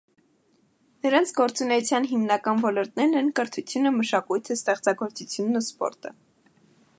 Նրանց գործունեության հիմնական ոլորտներն են կրթությունը, մշակույթը, ստեղծագործությունն ու սպորտը։